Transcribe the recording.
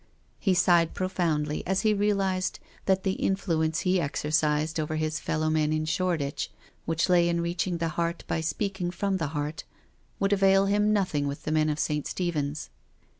He sighed profoundly as he realised that the influence he exer cised over his fellow men in Shoreditch, which lay in reaching the heart by speaking from the heart, would avail him nothing with the men of St. Stephens.